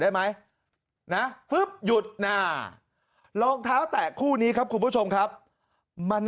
ได้ไหมนะฟึ๊บหยุดหน้ารองเท้าแตะคู่นี้ครับคุณผู้ชมครับมัน